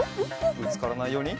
ぶつからないように。